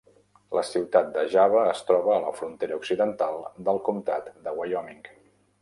La ciutat de Java es troba a la frontera occidental del comtat de Wyoming.